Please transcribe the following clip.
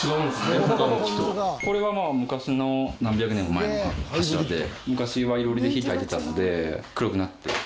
これはまあ昔の何百年も前の柱で昔は囲炉裏で火たいてたんで黒くなってる。